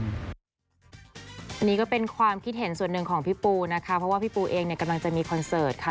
อันนี้ก็เป็นความคิดเห็นส่วนหนึ่งของพี่ปูนะคะเพราะว่าพี่ปูเองเนี่ยกำลังจะมีคอนเสิร์ตค่ะ